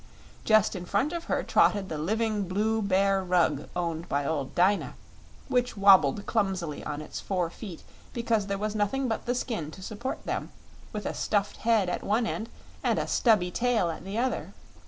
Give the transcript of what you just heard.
Just in front of her trotted the living Blue Bear Rug owned by old Dyna, which wobbled clumsily on its four feet because there was nothing but the skin to support them, with a stuffed head at one end and a stubby tail at the other.